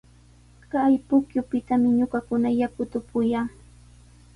Kay pukyupitami ñuqakuna yakuta upuyaa.